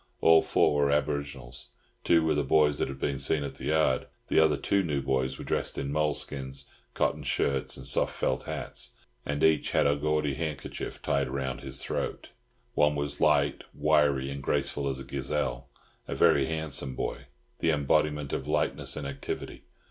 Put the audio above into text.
All four were aboriginals, two were the boys that had been seen at the yard. The two new boys were dressed in moleskins, cotton shirts, and soft felt hats, and each had a gaudy handkerchief tied round his throat. One was light, wiry, and graceful as a gazelle—a very handsome boy, the embodiment of lightness and activity.